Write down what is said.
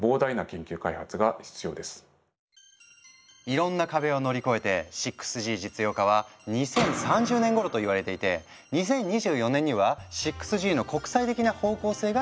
いろんな壁を乗り越えて６Ｇ実用化は２０３０年ごろと言われていて２０２４年には６Ｇの国際的な方向性が決まるみたい。